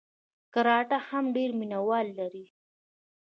کراته هم ډېر مینه وال لري.